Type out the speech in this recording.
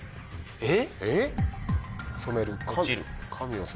えっ。